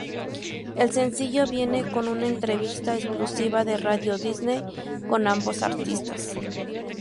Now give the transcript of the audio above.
El sencillo viene con una entrevista exclusiva de Radio Disney con ambos artistas.